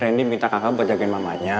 randy minta kakak buat jagain mamanya